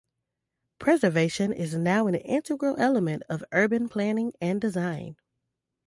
Preservation is now an integral element of urban planning and design.